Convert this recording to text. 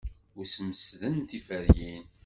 Ur smesden tiferyin.